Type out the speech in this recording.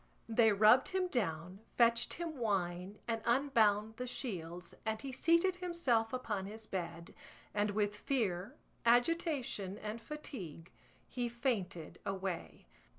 They rubbed him down, fetched him wine and unbound the shields, and he seated himself upon his bed, and with fear, agitation, and fatigue he fainted away.